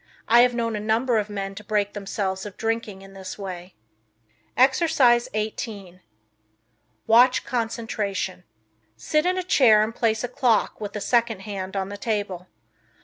I have known a number of men to break themselves of drinking in this way. Exercise 18 Watch Concentration. Sit in a chair and place a clock with a second hand on the table.